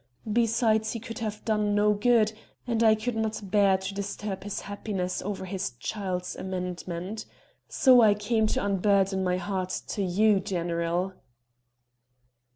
Besides, he could have done no good, and I could not bear to disturb his happiness over his child's amendment. So I came to unburden my heart to you, general."